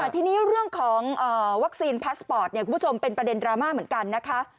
ทีนี้เรื่องของวัคซีนพาสปอร์ตคุณผู้ชมเป็นประเด็นดราม่าเหมือนกันนะคะ